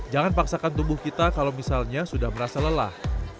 jangan paksakan tubuh kita kalau misalnya sudah merasa lelah